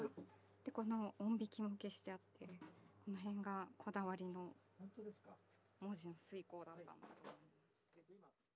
でこの音引きも消してあってこの辺がこだわりの文字の推敲だったんだと思います。